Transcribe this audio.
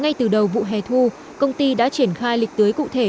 ngay từ đầu vụ hè thu công ty đã triển khai lịch tưới cụ thể